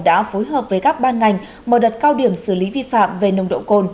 đã phối hợp với các ban ngành mở đợt cao điểm xử lý vi phạm về nồng độ cồn